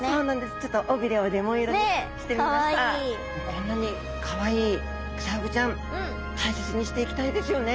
こんなにカワイイクサフグちゃん大切にしていきたいですよね。